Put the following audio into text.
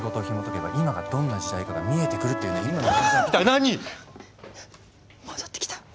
何⁉戻ってきた。